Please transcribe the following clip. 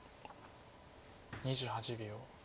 ２８秒。